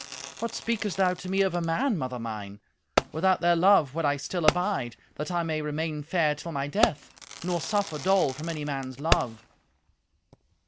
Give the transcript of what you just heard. "What speakest thou to me of a man, mother mine? Without their love would I still abide, that I may remain fair till my death, nor suffer dole from any man's love."